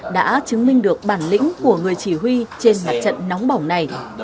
đã chứng minh được bản lĩnh của người chỉ huy trên mặt trận nóng bỏng này